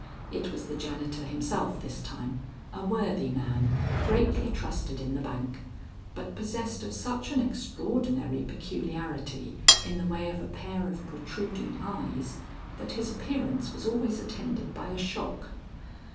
It was the janitor himself this time, a worthy man, greatly trusted in the bank, but possessed of such an extraordinary peculiarity in the way of a pair of protruding eyes, that his appearance was always attended by a shock.